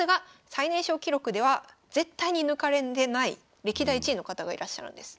最年少記録では絶対に抜かれない歴代１位の方がいらっしゃるんです。